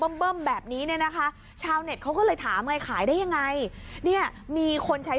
เนี่ยนะคะชาวเน็ตเขาก็เลยถามไงขายได้ยังไงเนี่ยมีคนใช้